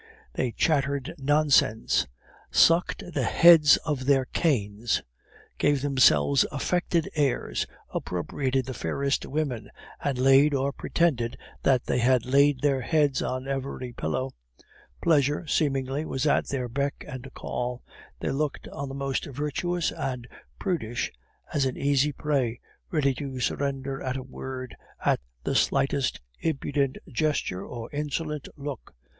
They chattered nonsense, sucked the heads of their canes, gave themselves affected airs, appropriated the fairest women, and laid, or pretended that they had laid their heads on every pillow. Pleasure, seemingly, was at their beck and call; they looked on the most virtuous and prudish as an easy prey, ready to surrender at a word, at the slightest impudent gesture or insolent look.